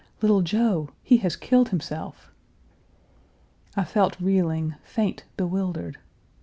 "Little Joe! he has killed himself!" I felt reeling, faint, bewildered.